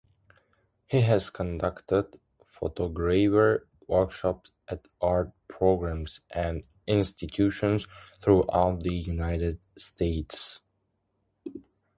He has conducted photogravure workshops at art programs and institutions throughout the United States.